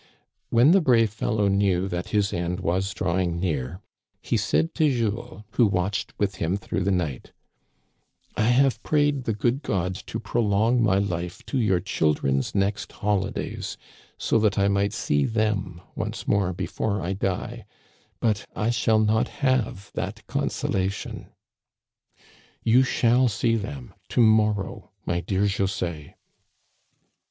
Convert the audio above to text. When the brave fellow knew that his end was draw ing near, he said to Jules, who watched with him through the night :" I have prayed the good God to prolong my life to your childrens' next holidays, so that I might see them once more before I die, but I shall not have that conso lation." "You shall see them to morrow, my dear José."